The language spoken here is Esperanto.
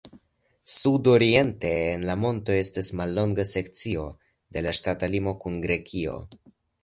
Sudoriente en la montoj estas mallonga sekcio de la ŝtata limo kun Grekio.